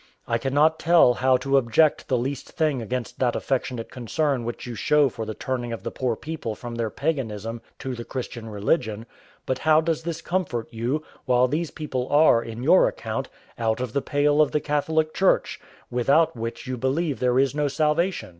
I cannot tell how to object the least thing against that affectionate concern which you show for the turning of the poor people from their paganism to the Christian religion; but how does this comfort you, while these people are, in your account, out of the pale of the Catholic Church, without which you believe there is no salvation?